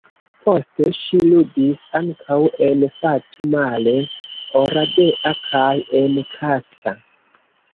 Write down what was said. Poste ŝi ludis ankaŭ en Satu Mare, Oradea kaj en Kassa.